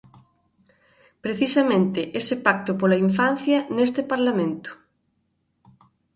Precisamente, ese Pacto pola infancia neste Parlamento.